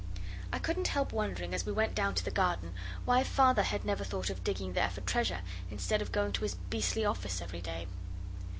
I couldn't help wondering as we went down to the garden, why Father had never thought of digging there for treasure instead of going to his beastly office every day.